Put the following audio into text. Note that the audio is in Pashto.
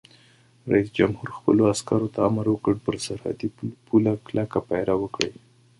رئیس جمهور خپلو عسکرو ته امر وکړ؛ پر سرحدي پولو کلک پیره وکړئ!